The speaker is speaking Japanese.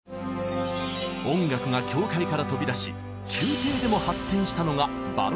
音楽が教会から飛び出し宮廷でも発展したのがバロックの時代。